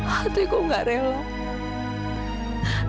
hatiku gak rela